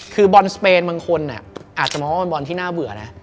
คือบอลสเปนบางคนอาจจะมองว่าเป็นบอลที่น่าเบื่อนะ